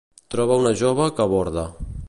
Troba una jove que aborda.